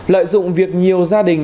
lợi dụng việc nhiều gia đình